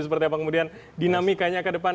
seperti apa kemudian dinamikanya ke depan